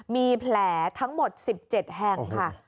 มีแผลทั้งหมด๑๗แห่งค่ะ